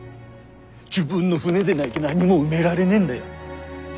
自分の船でなぎゃ何にも埋められねえんだよ。